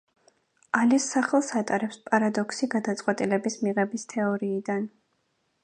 ალეს სახელს ატარებს პარადოქსი გადაწყვეტილების მიღების თეორიიდან.